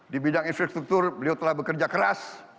di bidang infrastruktur beliau telah bekerja keras